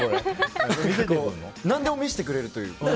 何でも見せてくれるというか。